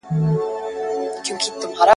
غزل _ رحمت شاه سائل